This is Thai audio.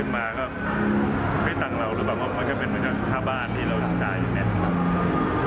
มันก็เป็นรูปถ้าบ้านที่เราจ่ายอยู่เนี่ย